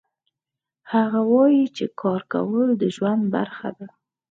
هغه وایي چې کار کول د ژوند برخه ده